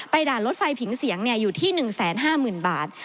ด่านรถไฟผิงเสียงอยู่ที่๑๕๐๐๐บาท